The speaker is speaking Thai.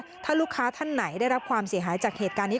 ถ้าลูกค้าท่านไหนได้รับความเสียหายจากเหตุการณ์นี้